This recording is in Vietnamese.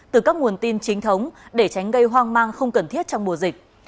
từ các nguồn tin chính thống để tránh gây hoang mang không cần thiết trong mùa dịch